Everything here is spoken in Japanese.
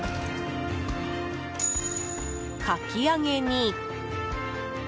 かき揚げに。